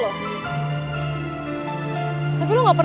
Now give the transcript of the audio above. tapi lo gak pernah sahabat